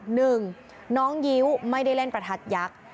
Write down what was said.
หนึ่งน้องยิ้วไม่ได้เล่นประทัดยักษ์